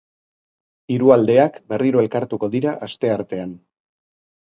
Hiru aldeak berriro elkartuko dira asteartean.